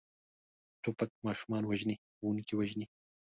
توپک ماشومان وژني، ښوونکي وژني.